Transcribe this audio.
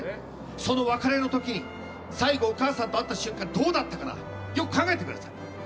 その別れの時に最後、お母さんと会った瞬間にどうだったかよく考えてください。